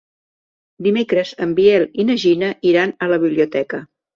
Dimecres en Biel i na Gina iran a la biblioteca.